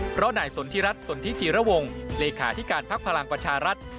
เพราะนายสนทิรัครสนทิกิลวงศ์เหลขถิการภาคพลังประชารัฐ